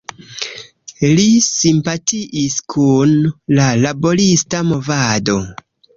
Li simpatiis kun la laborista movado.